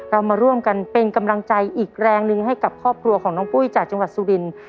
เรามาร่วมกันเป็นกำลังใจอีกแรงหนึ่งให้กับครอบครัวของน้องปุ้ยจากจังหวัดสุรินทร์